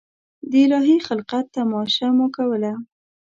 د الهي خلقت تماشه مو کوله.